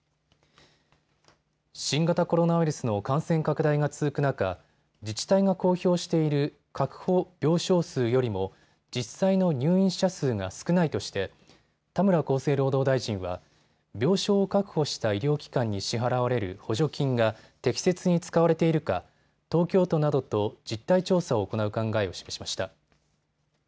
新型コロナウイルスの感染拡大が続く中、自治体が公表している確保病床数よりも実際の入院者数が少ないとして田村厚生労働大臣は病床を確保した医療機関に支払われる補助金が適切に使われているか東京都などと実態調査を行う考えを示しました。